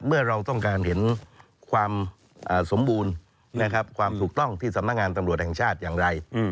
เราต้องการเห็นความสมบูรณ์นะครับความถูกต้องที่สำนักงานตำรวจแห่งชาติอย่างไร